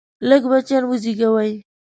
لږ بچیان وزیږوئ!